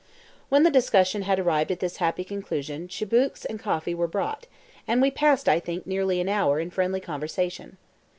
When the discussion had arrived at this happy conclusion tchibouques and coffee were brought, and we passed, I think, nearly an hour in friendly conversation.